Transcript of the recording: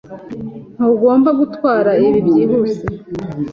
Ntugomba gutwara ibi byihuse.